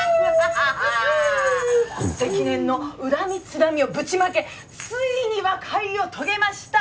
あはははー積年の恨みつらみをぶちまけついに和解を遂げました